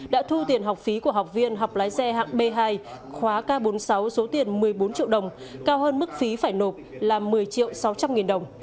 đã thu tiền học phí của học viên học lái xe hạng b hai khóa k bốn mươi sáu số tiền một mươi bốn triệu đồng cao hơn mức phí phải nộp là một mươi triệu sáu trăm linh nghìn đồng